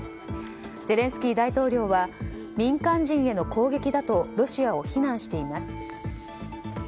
ゼレンスキー大統領は民間人への攻撃だとロシアを非難しています。